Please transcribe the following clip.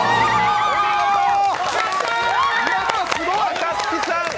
若槻さん